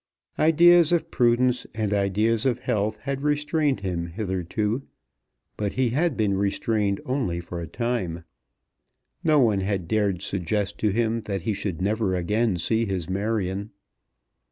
Ideas of prudence and ideas of health had restrained him hitherto, but he had been restrained only for a time. No one had dared suggest to him that he should never again see his Marion.